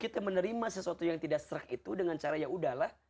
kita menerima sesuatu yang tidak serak itu dengan cara ya udahlah